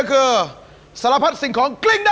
เออ